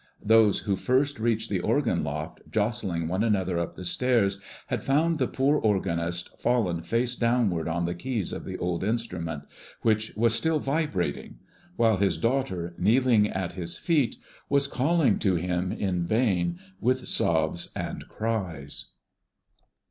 Those who first reached the organ loft, jostling one another up the stairs, had found the poor organist, fallen face downwards on the keys of the old instrument, which was still vibrating; while his daughter, kneeling at his feet, was calling to him in vain with sobs and cries.